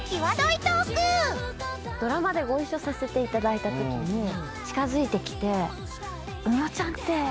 ドラマでご一緒させていただいたときに近づいてきて。